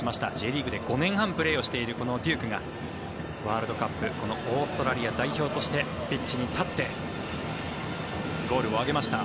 Ｊリーグで５年半プレーをしているこのデュークがワールドカップオーストラリア代表としてピッチに立ってゴールを挙げました。